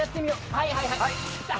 はいはいはい。